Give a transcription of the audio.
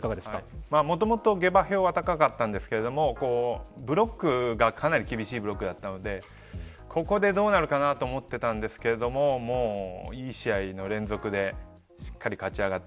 もともと下馬評は高かったんですけれどブロックがかなり厳しいブロックだったのでここでどうなるかなと思っていたんですけれどもいい試合の連続でしっかり勝ち上がって。